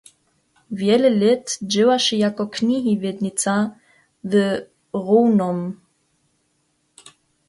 Wjele lět dźěłaše jako knihiwjednica w Rownom.